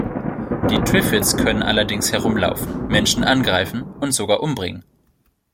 Die Triffids können allerdings herumlaufen, Menschen angreifen und sogar umbringen.